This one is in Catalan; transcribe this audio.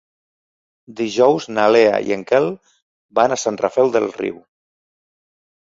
Dijous na Lea i en Quel van a Sant Rafel del Riu.